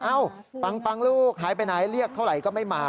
เอ้าปังลูกหายไปไหนเรียกเท่าไหร่ก็ไม่มา